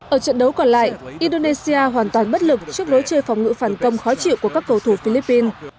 ở trận đấu còn lại indonesia hoàn toàn bất lực trước lối chơi phòng ngự phản công khó chịu của các cầu thủ philippines